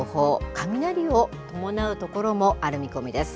雷を伴う所もある見込みです。